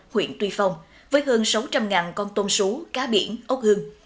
huyện tuy phong với hơn sáu trăm linh con tôm sú cá biển ốc hương